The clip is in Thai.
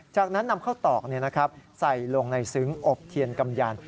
จากนั้นนำข้าวตอกใส่ลงในซึ้งอบเทียนกำยัน